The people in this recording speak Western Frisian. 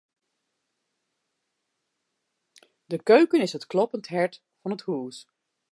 De keuken is it klopjend hert fan it hús.